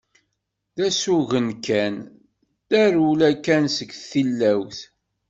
D asugen kan, d tarewla kan seg tillawt.